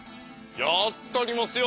やったりますよ！